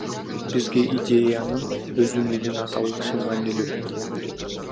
Бизге идеянын өзү менен аталышы маанилүү.